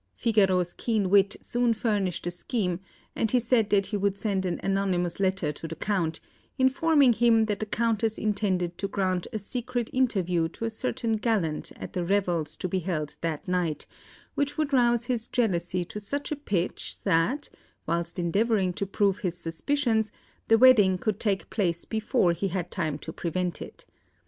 Figaro's keen wit soon furnished a scheme, and he said that he would send an anonymous letter to the Count, informing him that the Countess intended to grant a secret interview to a certain gallant at the revels to be held that night, which would rouse his jealousy to such a pitch that, whilst endeavouring to prove his suspicions, the wedding could take place before he had time to prevent it.